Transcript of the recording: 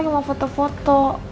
aku lagi mau foto foto